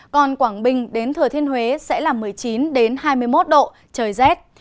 còn quảng bình đến thừa thiên huế sẽ là một mươi chín hai mươi một độ trời rét